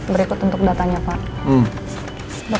berikut untuk datanya pak